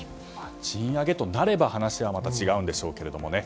賃上げとなれば話はまた違うんでしょうけどね。